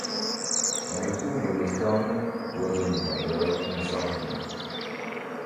On y trouve les sternes, oiseaux migrateurs transsahariens.